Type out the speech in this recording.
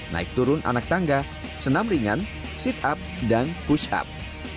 naik turun anak tangga senam ringan sit up dan push up